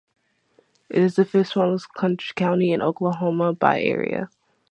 It is the fifth-smallest county in Oklahoma by area.